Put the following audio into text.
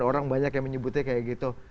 orang banyak yang menyebutnya kayak gitu